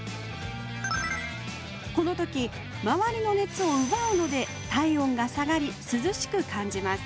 この時周りの熱をうばうので体温が下がり涼しく感じます